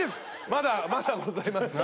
まだまだございますんで。